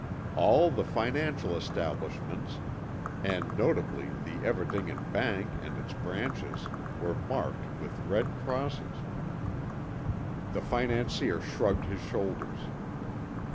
All the financial establishments, and notably the Everdingen Bank and its branches, were marked with red crosses. The financier shrugged his shoulders.